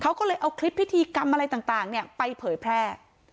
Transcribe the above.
เขาก็เลยเอาคลิปพิธีกรรมอะไรต่างไปเผยแพร่